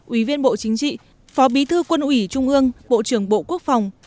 ủy viên bộ chính trị phó bí thư quân ủy trung ương bộ trưởng bộ quốc phòng